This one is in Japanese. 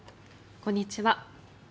こんにちは。